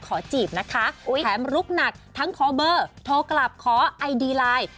จีบนะคะแถมลุกหนักทั้งขอเบอร์โทรกลับขอไอดีไลน์